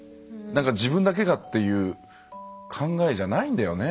自分だけがっていう考えじゃないんだよね